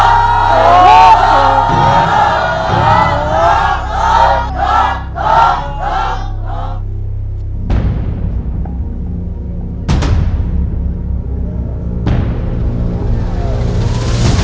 ถูก